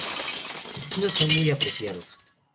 Sus vinos son muy apreciados.